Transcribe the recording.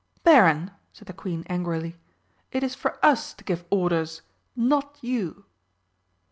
"Baron," said the Queen angrily, "it is for Us to give orders not you!"